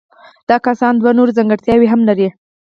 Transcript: دا کسان دوه نورې ځانګړتیاوې هم لري.